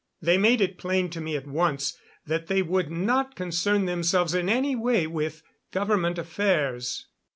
They made it plain to me at once that they would not concern themselves in any way with government affairs.